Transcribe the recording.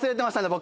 僕。